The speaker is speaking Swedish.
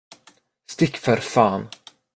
Stick, för fan!